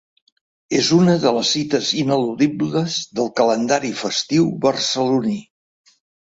És una de les cites ineludibles del calendari festiu barceloní.